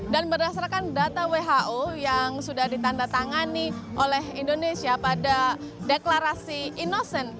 dan berdasarkan data who yang sudah ditandatangani oleh indonesia pada deklarasi innocent